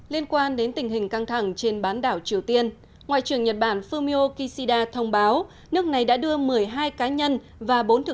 liên quan đến tình hình căng thẳng trên bán đảo triều tiên ngoại trưởng nhật bản fumio kishida thông báo nước này đã đưa một mươi hai cá nhân và bốn thực thể vào danh sách đen có liên quan đến các chương trình hạt nhân và tên lửa của triều tiên